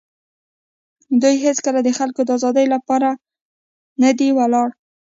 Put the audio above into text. دوی هېڅکله د خلکو د آزادۍ لپاره نه دي ولاړ.